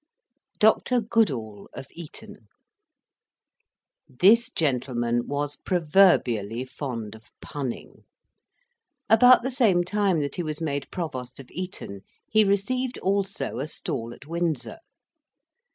DR. GOODALL, OF ETON This gentleman was proverbially fond of punning. About the same time that he was made Provost of Eton, he received, also, a Stall at Windsor.